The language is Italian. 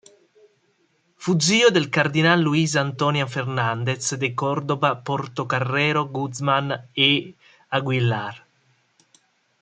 Fu zio del cardinale Luis Antonio Fernández de Córdoba Portocarrero Guzmán y Aguilar.